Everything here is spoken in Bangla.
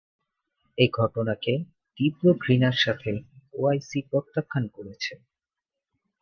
এ ঘটনাকে তীব্র ঘৃণার সাথে ওআইসি প্রত্যাখ্যান করছে।